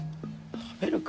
食べるか。